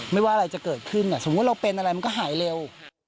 ไม่ว่าอะไรจะเกิดขึ้นสมมุติเราเป็นอะไรมันก็หายเร็ว